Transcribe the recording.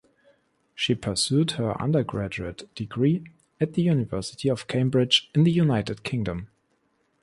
She pursued her undergraduate degree at the University of Cambridge in the United Kingdom.